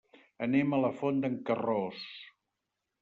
Anem a la Font d'en Carròs.